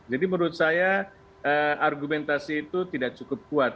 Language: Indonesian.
jadi menurut saya argumentasi itu tidak cukup kuat